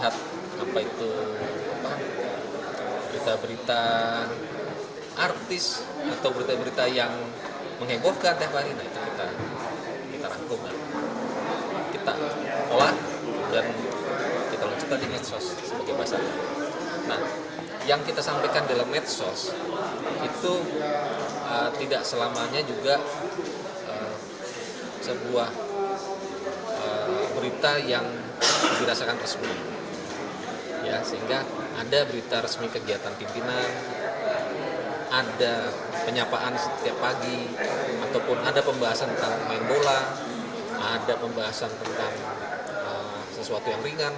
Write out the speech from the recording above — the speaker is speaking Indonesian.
ada pembahasan tentang main bola ada pembahasan tentang sesuatu yang ringan